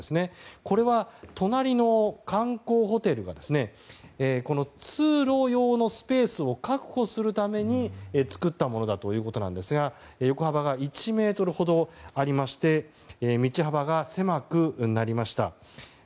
これは、隣の観光ホテルが通路用のスペースを確保するために作ったものだということなんですが横幅が１ｍほどありまして道幅が狭くなりました。